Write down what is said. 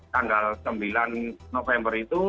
tanggal sembilan november itu